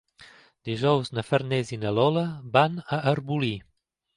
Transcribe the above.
Dijous na Farners i na Lola van a Arbolí.